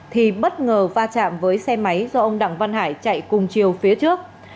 thì bất ngờ va chạm với xe máy do ông đặng văn hải chạy cùng chiều phía trước